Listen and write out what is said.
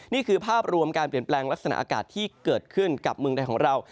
นี่คือภาพรวมการเปลี่ยนแปลงลักษณะอากาศที่เกิดขึ้นกับเมืองใดของเรา